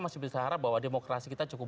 masih berharap bahwa demokrasi kita cukup